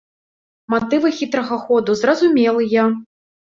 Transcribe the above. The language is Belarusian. Матывы хітрага ходу зразумелыя.